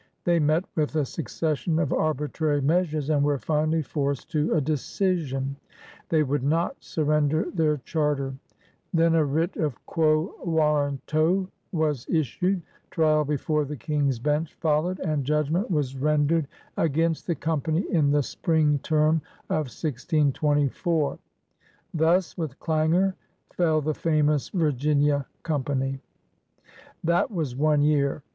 They met with a succession of ar bitrary measures and were finally forced to a de cision. They would not surrender their charter. Then a writ of qvo warranto was issued; trial before the King's Bench followed; and judgment was ren 108 PIONEERS OF THE OLD SOUTH dered against the Company in the spring term of 1624. Thus with clangor fell the famous Virginia Company. That was one year.